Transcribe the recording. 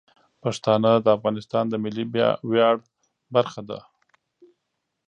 پښتانه د افغانستان د ملي ویاړ برخه دي.